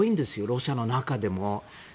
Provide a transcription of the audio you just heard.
ロシアの中でも。